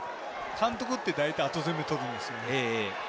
監督って大体後攻め取るんですが。